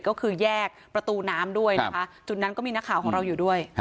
ก็คือแยกประตูน้ำด้วยนะคะจุดนั้นก็มีนักข่าวของเราอยู่ด้วย